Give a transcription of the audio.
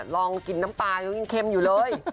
ลองกินน้ำปลากินเค็มอยู่เลย